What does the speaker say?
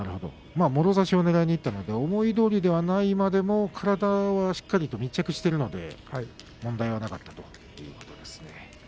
もろ差しをねらいにいったので思いどおりではないまでも体はしっかり密着しているので問題はなかったということですね。